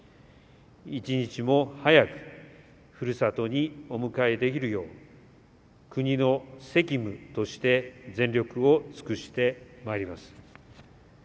一日も早くふるさとにお迎えできるよう国の責務として全力を尽くしてまいります。